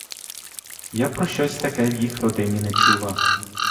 Я про щось таке в їх родині не чула.